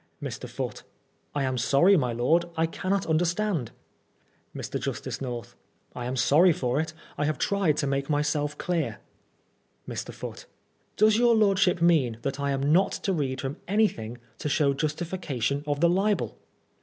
Mr. Foote : I am sorry, my lord, I cannot understand. Mr. Justice North : I am sorry for it. I have tried to make myself clear. Mr. Foote : Does your lordship mean that I am not to read from anything to show justification of the libel